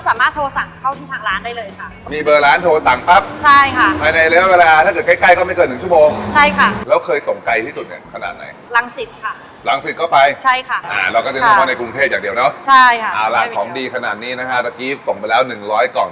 อ๋อก็สามารถโทรสั่งเข้าที่ทางร้านได้เลยค่ะ